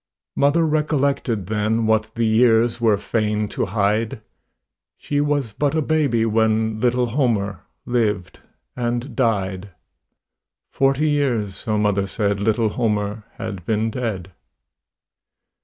Mother recollected then What the years were fain to hide She was but a baby when Little Homer lived and died; Forty years, so mother said, Little Homer had been dead.